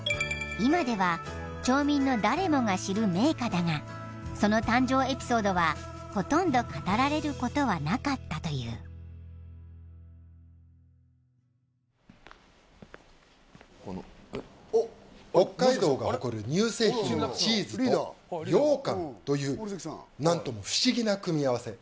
今では町民の誰もが知る銘菓だがその誕生エピソードはほとんど語られることはなかったという北海道が誇る乳製品のチーズと羊羹という何とも不思議な組み合わせ